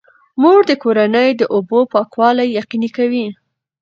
مور د کورنۍ د اوبو پاکوالی یقیني کوي.